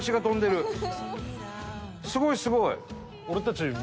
すごいすごい！